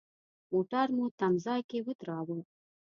موټر مو تم ځای کې ودراوه.